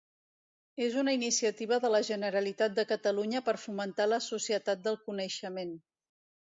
És una iniciativa de la Generalitat de Catalunya per fomentar la societat del coneixement.